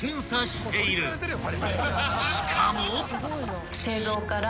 ［しかも］